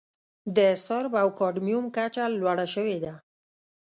د سرب او کاډمیوم کچه لوړه شوې ده.